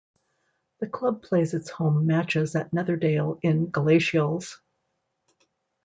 The club plays its home matches at Netherdale in Galashiels.